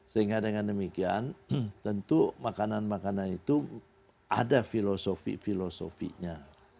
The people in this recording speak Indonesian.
sehingga dengan demikian tentu makanan makanan itu ada filosofi filosofinya